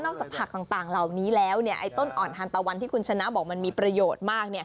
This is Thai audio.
จากผักต่างเหล่านี้แล้วไอ้ต้นอ่อนทานตะวันที่คุณชนะบอกมันมีประโยชน์มาก